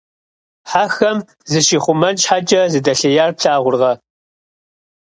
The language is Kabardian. Хьэхэм зыщихъумэн щхьэкӏэ зыдэлъеяр плъагъуркъэ!